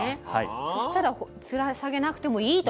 そしたらつらさげなくてもいいと。